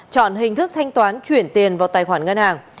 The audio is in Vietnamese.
chọn hình thức thanh toán chuyển tiền vào tài khoản ngân hàng